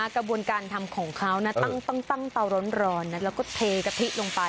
กระบวนการทำของเขานะตั้งเตาร้อนแล้วก็เทกะทิลงไป